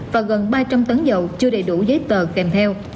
và gần ba trăm linh tấn dầu chưa đầy đủ giấy tờ kèm theo